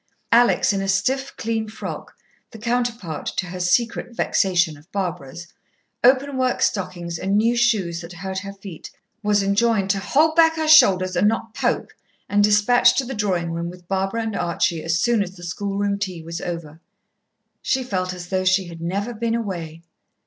Alex, in a stiff, clean frock, the counterpart, to her secret vexation, of Barbara's, open work stockings, and new shoes that hurt her feet, was enjoined "to hold back her shoulders and not poke" and dispatched to the drawing room with Barbara and Archie as soon as the schoolroom tea was over. She felt as though she had never been away.